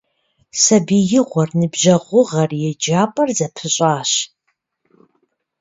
Сабиигъуэр, ныбжьэгъугъэр, еджапӀэр зэпыщӀащ.